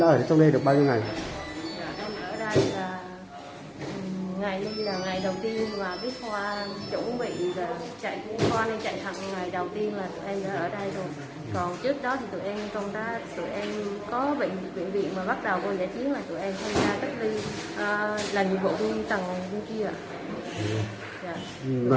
tụi em có bệnh viện viện mà bắt đầu gọi giải chiến là tụi em tham gia tất lưu là nhiệm vụ tầng vũ trí ạ